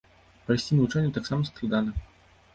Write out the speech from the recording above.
Прайсці навучанне таксама складана.